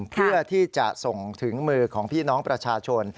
เพื่อที่จะส่งถึงมือของพี่น้องประชาชน